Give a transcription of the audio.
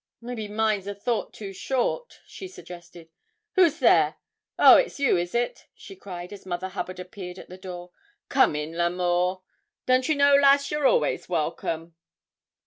'Maybe mine's a thought too short?' she suggested. 'Who's there? Oh! it's you, is it?' she cried as Mother Hubbard appeared at the door. 'Come in, L'Amour don't you know, lass, you're always welcome?'